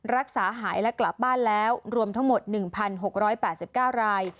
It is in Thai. รักษาหายและกลับบ้านแล้วรวมทั้งหมด๑๖๘๙ราย